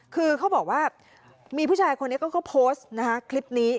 คือเขาบอกว่ามีผู้ชายคนนี้ก็โพสต์นะคะคลิปนี้